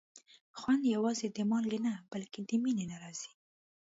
خوند یوازې د مالګې نه، بلکې د مینې نه راځي.